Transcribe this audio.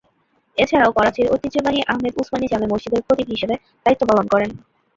এছাড়াও করাচীর ঐতিহ্যবাহী আহমদ উসমানি জামে মসজিদ এর খতিব হিসেবে দায়িত্ব পালন করেন।